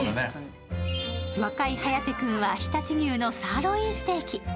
若い颯君は常陸牛のサーロインステーキ。